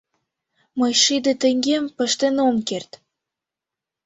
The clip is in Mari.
Мый шӱдӧ теҥгем пыштен ом керт.